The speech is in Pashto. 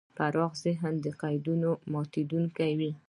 پراخ ذهن د قیدونو ماتونکی وي.